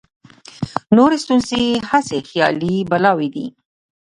نورې ستونزې هسې خیالي بلاوې دي.